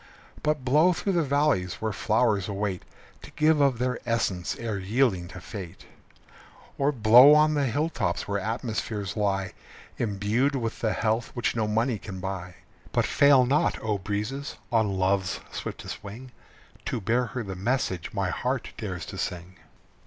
But blow through the valleys where flowers await To give of their essence ere yielding to fate; Or blow on the hill tops where atmospheres lie Imbued with the health which no money can buy. But fail not, O breezes, on Love's swiftest wing To bear her the message my heart dares to sing.